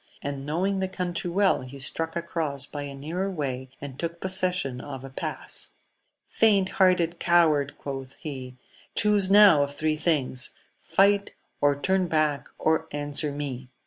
and knowing the country well, he struck across by a nearer way, and took pos session of a pass. Faint hearted coward ! quoth he^ chuse now of three things : fight, or turn back', or answer me